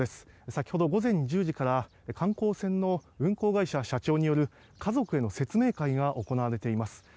先ほど午前１０時から観光船の運航会社社長による家族への説明会が行われています。